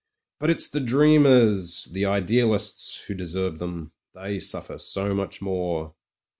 "But it's the dreamers, the idealists who deserve them. They suffer so much more."